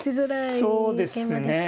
そうですね。